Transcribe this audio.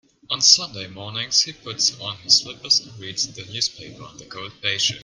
On Sunday mornings, he puts on his slippers and reads the newspaper on the cold patio.